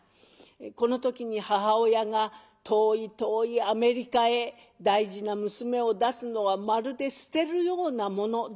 この時に母親が「遠い遠いアメリカへ大事な娘を出すのはまるで捨てるようなもの。